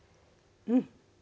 うん。